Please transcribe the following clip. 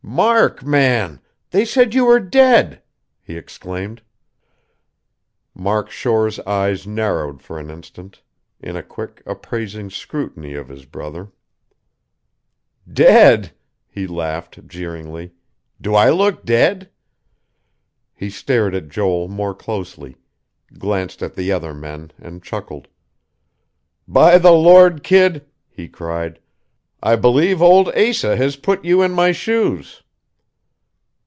"Mark, man! They said you were dead," he exclaimed. Mark Shore's eyes narrowed for an instant, in a quick, appraising scrutiny of his brother. "Dead?" he laughed, jeeringly. "Do I look dead?" He stared at Joel more closely, glanced at the other men, and chuckled. "By the Lord, kid," he cried, "I believe old Asa has put you in my shoes."